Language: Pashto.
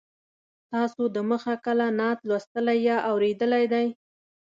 تاسو د مخه کله نعت لوستلی یا اورېدلی دی.